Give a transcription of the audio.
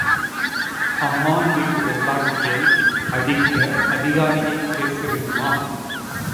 அம்மான் வீட்டு வெள்ளாட்டியை அடிக்க அதிகாரியைக் கேட்க வேணுமா?